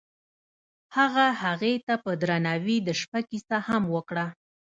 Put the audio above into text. هغه هغې ته په درناوي د شپه کیسه هم وکړه.